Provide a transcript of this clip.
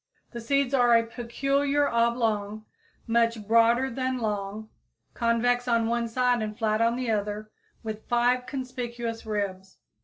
The seeds are a peculiar oblong, much broader than long, convex on one side and flat on the other, with five conspicuous ribs.